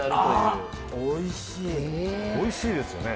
おいしいですよね。